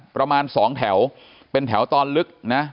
ประมาณ๒แถวเป็นแถวตอนลึกนะ